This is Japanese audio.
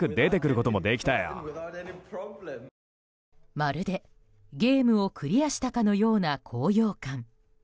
まるで、ゲームをクリアしたかのような高揚感。